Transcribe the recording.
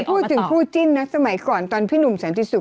พูดถึงคู่จิ้นสมัยก่อนตอนพี่หนุ่มสนักษรศีลสุข